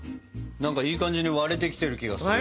何かいい感じに割れてきてる気がするよ。